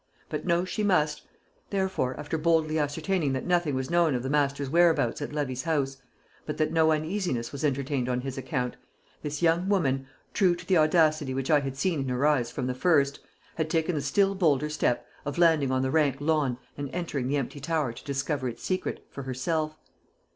But know she must; therefore, after boldly ascertaining that nothing was known of the master's whereabouts at Levy's house, but that no uneasiness was entertained on his account, this young woman, true to the audacity which I had seen in her eyes from the first, had taken the still bolder step of landing on the rank lawn and entering the empty tower to discover its secret, for herself.